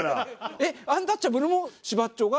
えっアンタッチャブルも柴っちょが。